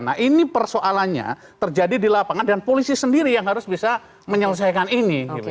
nah ini persoalannya terjadi di lapangan dan polisi sendiri yang harus bisa menyelesaikan ini